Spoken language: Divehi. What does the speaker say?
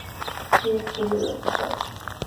ޗީފް ސިވިލް އޮފިސަރ